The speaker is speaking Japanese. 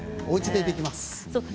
おうちでできます。